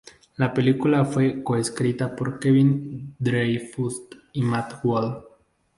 La película fue co-escrita por Kevin Dreyfuss y Matt Wall.